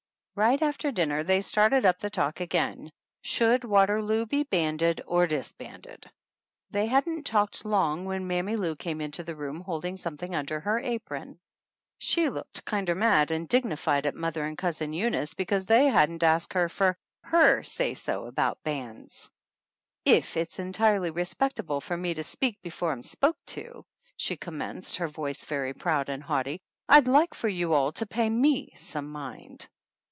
Right after dinner they started up the talk 181 THE ANNALS OF ANN again. Should Waterloo be banded or dis banded? They hadn't talked long when Mammy Lou came into the room holding some thing under her apron. She looked kinder mad and dignified at mother and Cousin Eunice be cause they hadn't asked her for her say so about bands. "If it's entirely respectable for me to speak before I'm spoke to," she commenced, her voice very proud and haughty, "I'd like for you all to pay me some mind.